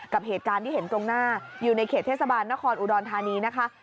กับเหตุการณ์ที่เห็นตรงหน้าอยู่ในเขตเทศบาลนครอุดรธานีนะคะ